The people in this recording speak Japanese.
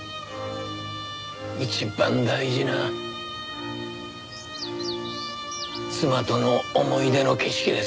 一番大事な妻との思い出の景色です。